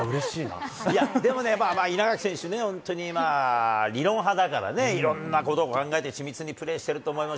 でもね、稲垣選手ね、本当にまあ、理論派だからね、いろんなことを考えて、ち密にプレーしていると思います。